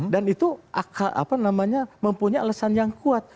dan itu mempunyai alasan yang kuat